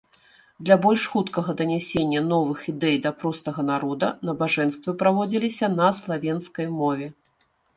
Для больш хуткага данясення новых ідэй да простага народа, набажэнствы праводзіліся на славенскай мове.